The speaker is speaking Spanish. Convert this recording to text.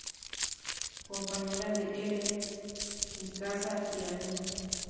Compañera de Eren, Mikasa y Armin.